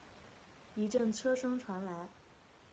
一阵车声传来